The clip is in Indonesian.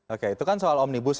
oke itu kan soal omnibus